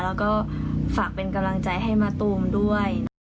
แล้วก็ฝากเป็นกำลังใจให้มะตูมด้วยนะคะ